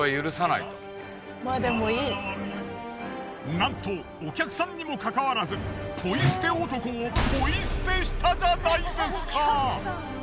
なんとお客さんにもかかわらずポイ捨て男をポイ捨てしたじゃないですか！